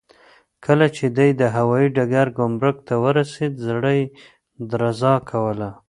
کله چې دی د هوايي ډګر ګمرک ته ورسېد، زړه یې درزا کوله.